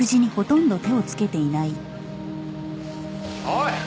おい！